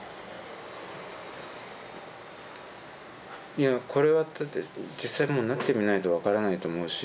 いやこれはだって実際なってみないと分からないと思うし。